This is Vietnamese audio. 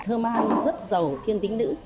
thơ mai rất giàu thiên tính nữ